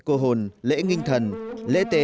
cô hồn lễ nghinh thần lễ tế